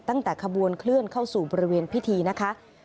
ตั้งแต่ขบวนเคลื่อนเข้าสู่บริเวณพิธีนะคะ